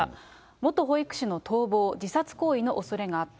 元保育士の逃亡、自殺行為のおそれがあった。